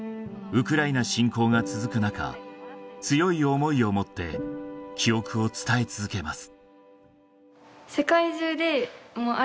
ウクライナ侵攻が続くなか強い思いをもって記憶を伝え続けます